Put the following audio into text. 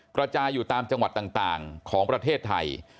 กระจายอยู่ตามจังหวัดต่างของประเทศไทย